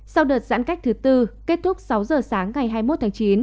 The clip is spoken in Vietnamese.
sau đợt giãn cách thứ tư kết thúc sáu giờ sáng ngày hai mươi một tháng chín